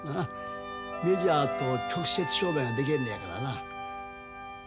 メジャーと直接商売がでけんのやからな。